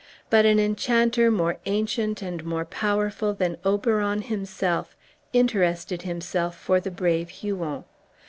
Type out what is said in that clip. But an enchanter more ancient and more powerful than Oberon himself interested himself for the brave Huon.